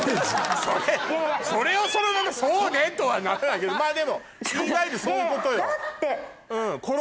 それをそのまま「そうね」とはならないけどまぁでもいわゆるそういうことよ。